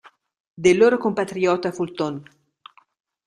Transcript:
Del loro compatriota Fulton.